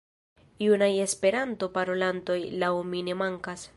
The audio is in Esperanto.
Junaj Esperanto-parolantoj laŭ mi ne mankas.